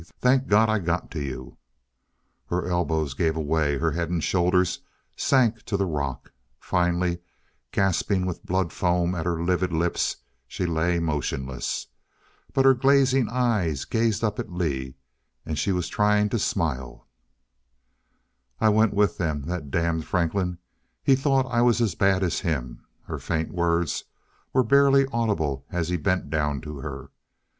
Thank Gawd I got to you " Her elbows gave way; her head and shoulders sank to the rock. Faintly gasping, with blood foam at her livid lips, she lay motionless. But her glazing eyes gazed up at Lee, and she was trying to smile. "I went with them that damned Franklin he thought I was as bad as him " Her faint words were barely audible as he bent down to her.